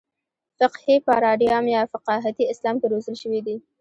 فقهي پاراډایم یا فقاهتي اسلام کې روزل شوي دي.